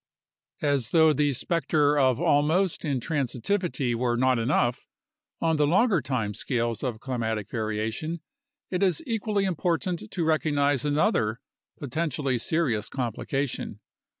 As though the specter of almost intransitivity were not enough, on the longer time scales of climatic variation it is equally important to recognize another, potentially serious complication.